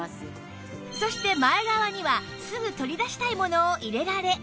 そして前側にはすぐ取り出したいものを入れられ